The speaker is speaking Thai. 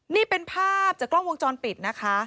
นี่เป็นภาพจากกล้องวงจรปิดนะคะ